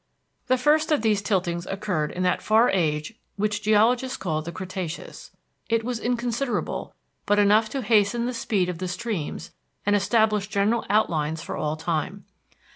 The first of these tiltings occurred in that far age which geologists call the Cretaceous. It was inconsiderable, but enough to hasten the speed of the streams and establish general outlines for all time.